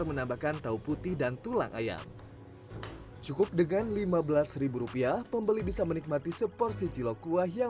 ini lokasinya juga enak ya